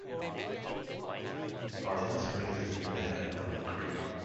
Bartlett Springs is near the head of Bartlett Creek.